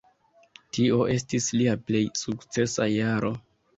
Tio estis lia plej sukcesa jaro.